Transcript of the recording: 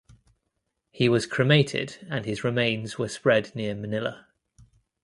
He was cremated and his remains were spread near Manila.